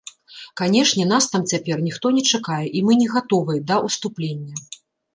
Канечне, нас там цяпер ніхто не чакае, і мы не гатовыя да ўступлення.